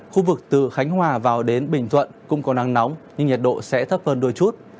khu vực từ khánh hòa vào đến bình thuận cũng có nắng nóng nhưng nhiệt độ sẽ thấp hơn đôi chút